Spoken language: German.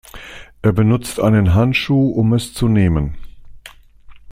Er benutzt einen Handschuh, um es zu nehmen.